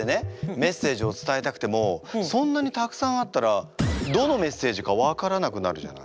メッセージを伝えたくてもそんなにたくさんあったらどのメッセージか分からなくなるじゃない。